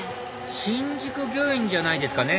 新宿御苑じゃないですかね